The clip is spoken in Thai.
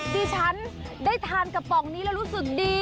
ที่ฉันได้ทานกระป๋องนี้แล้วรู้สึกดี